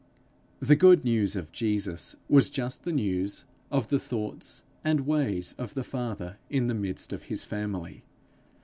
The good news of Jesus was just the news of the thoughts and ways of the Father in the midst of his family.